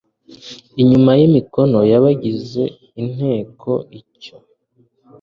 inyuma y imikono y abagize inteko Icyo